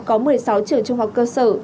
có một mươi sáu trường trung học cơ sở